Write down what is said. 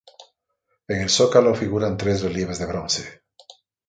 En el zócalo, figuran tres relieves de bronce.